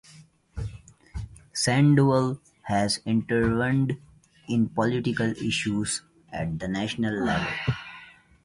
Sandoval has intervened in political issues at the national level.